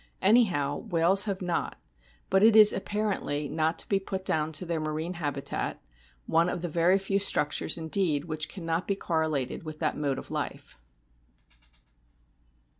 Anyhow, whales have not ; but it is apparently not to be put clown to their marine habitat, one of the very few structures indeed which cannot be correlated with that mode of life.